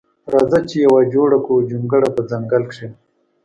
راځه چې یوه جوړه کړو جونګړه په ځنګل کښې